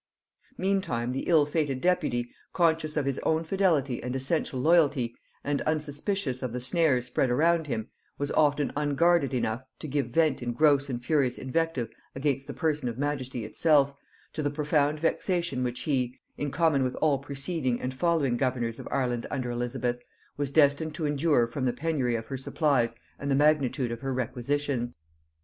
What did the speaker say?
Meantime the ill fated deputy, conscious of his own fidelity and essential loyalty, and unsuspicious of the snares spread around him, was often unguarded enough to give vent in gross and furious invective against the person of majesty itself, to the profound vexation which he, in common with all preceding and following governors of Ireland under Elizabeth, was destined to endure from the penury of her supplies and the magnitude of her requisitions.